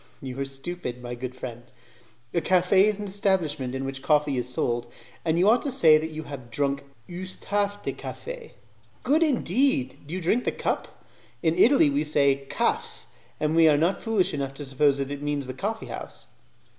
"You are stupid, my good friend. A cafe is the establishment in which coffee is sold, and you ought to say that you have drunk 'use tasse de cafe'" "Good indeed! Do you drink the cup? In Italy we say a 'caffs', and we are not foolish enough to suppose that it means the coffee house."